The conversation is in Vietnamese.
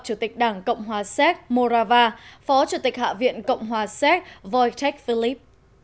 chủ tịch đảng cộng hòa séc morava phó chủ tịch hạ viện cộng hòa séc voicheck filip